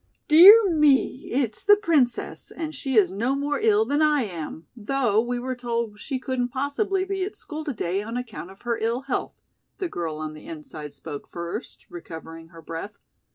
"Dear me, it's 'The Princess' and she is no more ill than I am, though we were told she couldn't possibly be at school to day on account of her ill health," the girl on the inside spoke first, recovering her breath.